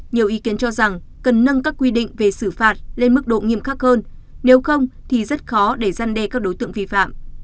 nhiều ý kiến cho rằng cần nâng các quy định về xử phạt lên mức độ nghiêm khắc hơn nếu không thì rất khó để gian đe các đối tượng vi phạm